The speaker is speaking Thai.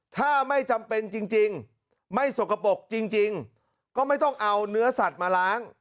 ถ้าไม่จำเป็นจริงไม่สกปรกจริงก็ไม่ต้องเอาเนื้อสัตว์มาล้าง